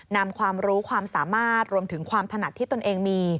นำความรู้ความสามารถรวมถึงความถนัดที่ตนเองมี